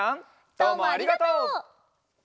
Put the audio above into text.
どうもありがとう。